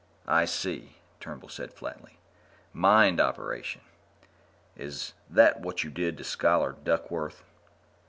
"I see," Turnbull said flatly. "Mind operation. Is that what you did to Scholar Duckworth?"